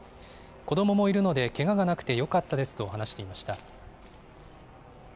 子どももいるので、けががなくてよかったですと話していました。